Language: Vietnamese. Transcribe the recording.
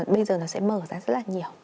bây giờ nó sẽ mở ra rất là nhiều